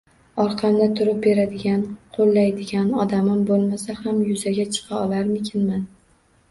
Orqamda turib beradigan, qoʻllaydigan odamim boʻlmasa ham yuzaga chiqa olarmikinman